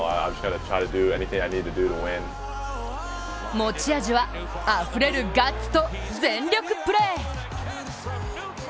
持ち味は、あふれるガッツと全力プレー。